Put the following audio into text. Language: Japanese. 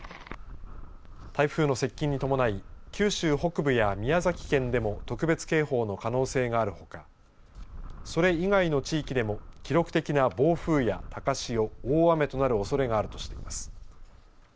台風の接近に伴い九州北部や宮崎県でも特別警報の可能性があるほかそれ以外の地域でも記録的な暴風や高潮大雨となるおそれがあるとしています。